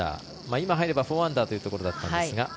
今、入れば４アンダーというところだったんですが。